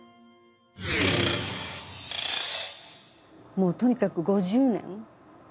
もうとにかく５０年。